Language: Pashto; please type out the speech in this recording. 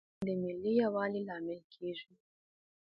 د نجونو تعلیم د ملي یووالي لامل کیږي.